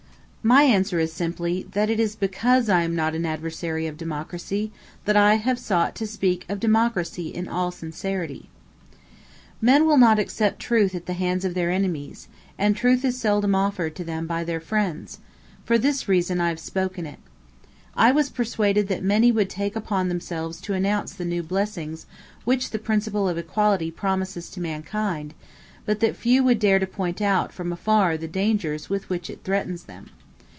My answer is simply, that it is because I am not an adversary of democracy, that I have sought to speak of democracy in all sincerity. Men will not accept truth at the hands of their enemies, and truth is seldom offered to them by their friends: for this reason I have spoken it. I was persuaded that many would take upon themselves to announce the new blessings which the principle of equality promises to mankind, but that few would dare to point out from afar the dangers with which it threatens them.